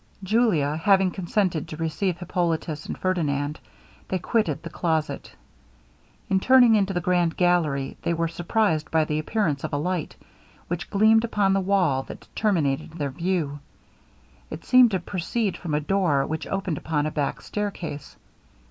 Julia having consented to receive Hippolitus and Ferdinand, they quitted the closet. In turning into the grand gallery, they were surprised by the appearance of a light, which gleamed upon the wall that terminated their view. It seemed to proceed from a door which opened upon a back stair case.